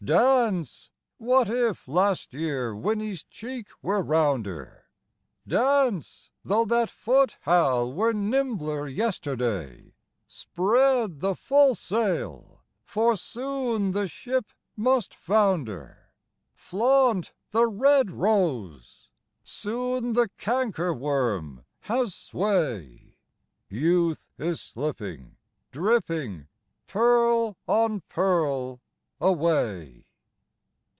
Dance! what if last year Winnie's cheek were rounder? Dance! tho' that foot, Hal, were nimbler yesterday. Spread the full sail! for soon the ship must founder; Flaunt the red rose! soon the canker worm has sway: Youth is slipping, dripping, pearl on pearl, away.